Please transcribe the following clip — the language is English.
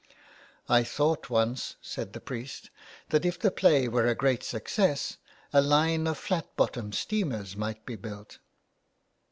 " I thought once," said the priest, " that if the play were a great success a line of flat bottomed steamers might be built."